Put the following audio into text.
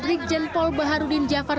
rikjen pol baharudin jafar